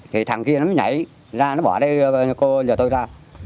thì thằng kia nó mới nhảy ra nó bỏ đây cô giờ tôi ra